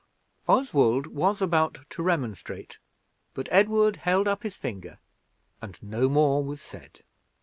Oswald was about to remonstrate, but Edward held up his finger and no more was said.